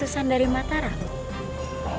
ih isinya ada tahu apa apa ya